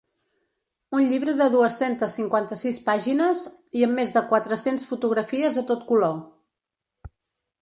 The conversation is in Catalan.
Un llibre de dues-centes cinquanta-sis pàgines i amb més de quatre-cents fotografies a tot color.